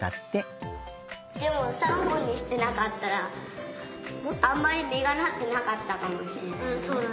でも３本にしてなかったらあんまりみがなってなかったかもしれない。